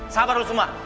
sabar lu semua